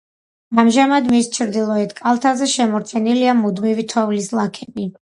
ამჟამად მის ჩრდილოეთ კალთაზე შემორჩენილია მუდმივი თოვლის ლაქები.